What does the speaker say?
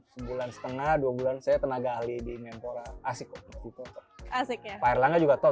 sebulan setengah dua bulan saya tenaga ahli di menpora asik kok asik ya pak erlangga juga tahu